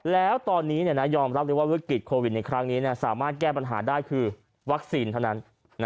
แล้วตอนนี้ยอมรับเลยว่าวิกฤตโควิดในครั้งนี้สามารถแก้ปัญหาได้คือวัคซีนเท่านั้น